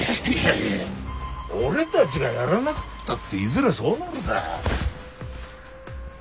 いやいや俺たちがやらなくったっていずれそうなるさ。